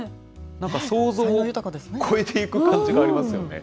なんか想像を超えていく感じがありますよね。